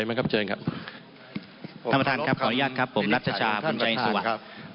ผมวินิจฉัยแล้วตะกี้นี้ว่าอ่ะ